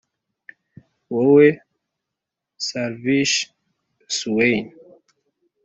wowe slavish swain,